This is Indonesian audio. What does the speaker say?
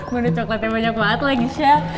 gue udah coklatnya banyak banget lagi sel